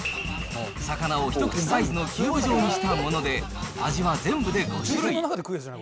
魚を一口サイズのキューブ状にしたもので、味は全部で５種類。